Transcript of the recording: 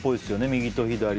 右と左で。